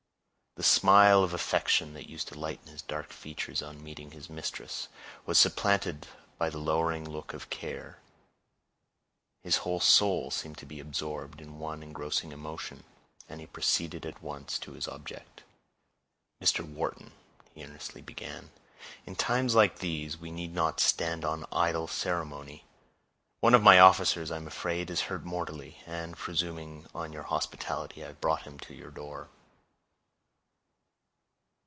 The smile of affection that used to lighten his dark features on meeting his mistress, was supplanted by the lowering look of care; his whole soul seemed to be absorbed in one engrossing emotion, and he proceeded at once to his object. "Mr. Wharton," he earnestly began, "in times like these, we need not stand on idle ceremony: one of my officers, I am afraid, is hurt mortally; and, presuming on your hospitality, I have brought him to your door."